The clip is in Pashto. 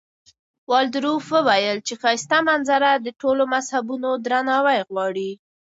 والډروف وویل چې ښایسته منظره د ټولو مذهبونو درناوی غواړي.